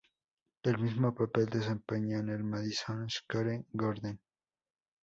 El mismo papel desempeña en el Madison Square Garden.